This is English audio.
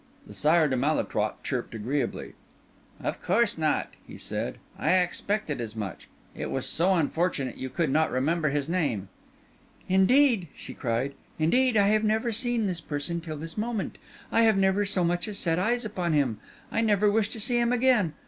The Sire de Malétroit chirped agreeably. "Of course not," he said; "I expected as much. It was so unfortunate you could not remember his name." "Indeed," she cried, "indeed, I have never seen this person till this moment—I have never so much as set eyes upon him—I never wish to see him again.